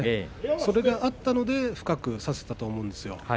それがあったので深く差せたと思うんですね。